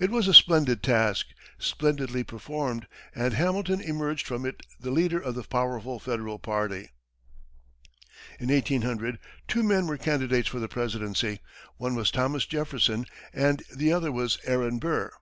It was a splendid task, splendidly performed, and Hamilton emerged from it the leader of the powerful Federal party. In 1800, two men were candidates for the presidency. One was Thomas Jefferson and the other was Aaron Burr.